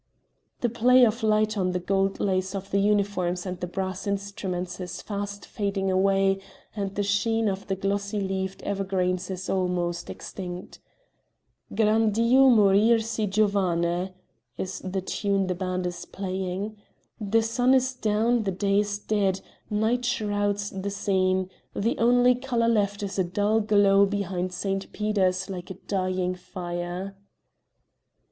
The play of light on the gold lace of the uniforms and the brass instruments is fast fading away and the sheen of the glossy leaved evergreens is almost extinct. "Gran dio morir si giovane!" is the tune the band is playing. The sun is down, the day is dead, night shrouds the scene; the only color left is a dull glow behind St. Peter's like a dying fire.